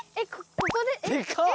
ここで？